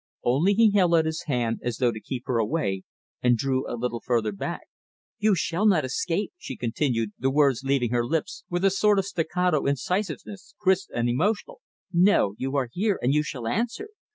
Only he held out his hand as though to keep her away, and drew a little further back. "You shall not escape," she continued, the words leaving her lips with a sort of staccato incisiveness, crisp and emotional. "No! you are here, and you shall answer.